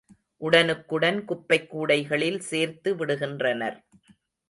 உடனுக்குடன் குப்பைக் கூடைகளில் சேர்த்து விடுகின்றனர்.